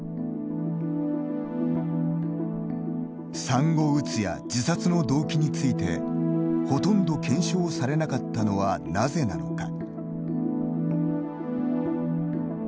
産後うつや自殺の動機についてほとんど検証されなかったのはなぜなのか。